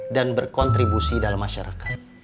dan berkontribusi dalam masyarakat